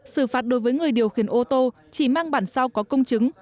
xử phạt đối với người điều khiển ô tô chỉ mang bản sao có công chứng